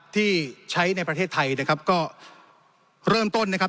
ที่ใช้ในประเทศไทยนะครับก็เริ่มต้นนะครับ